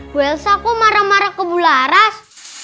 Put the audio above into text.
bu elsa kok marah marah ke bu laras